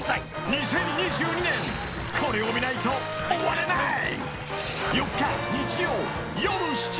［２０２２年これを見ないと終われない］